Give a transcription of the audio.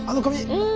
うん。